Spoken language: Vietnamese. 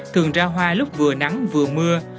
thường ra hoa lúc vừa nắng vừa mưa